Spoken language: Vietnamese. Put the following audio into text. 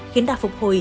khiến đạt phục hồi